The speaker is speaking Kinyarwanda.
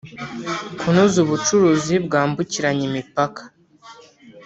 Kunoza ubucuruzi bwambukiranya imipaka